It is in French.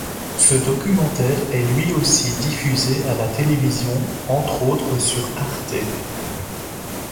Ce documentaire est lui aussi diffusé à la télévision, entre autres sur Arte.